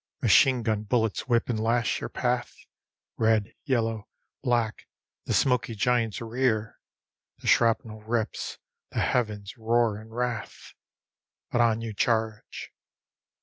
Machine gun bullets whip and lash your path; Red, yellow, black the smoky giants rear; The shrapnel rips, the heavens roar in wrath. _BUT ON YOU CHARGE.